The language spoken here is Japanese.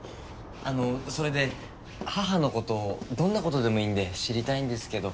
あのそれで母の事どんな事でもいいんで知りたいんですけど。